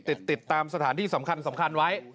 ติดตามสถานที่สำคัญไว้